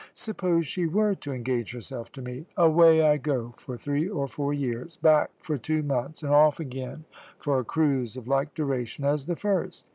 Suppose she were to engage herself to me! Away I go for three or four years; back for two months, and off again for a cruise of like duration as the first.